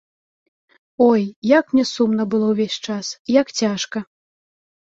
Ой, як мне сумна было ўвесь час, як цяжка.